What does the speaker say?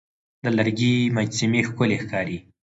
د لرګي مجسمې ښکلي ښکاري.